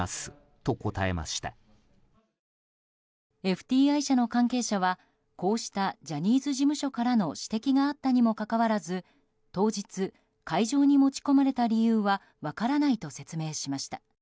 ＦＴＩ社の関係者はこうしたジャニーズ事務所からの指摘があったにもかかわらず当日会場に持ち込まれた理由は分からないと説明しました。